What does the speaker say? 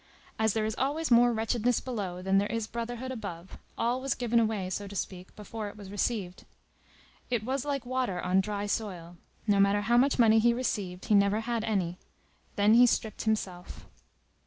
As there is always more wretchedness below than there is brotherhood above, all was given away, so to speak, before it was received. It was like water on dry soil; no matter how much money he received, he never had any. Then he stripped himself.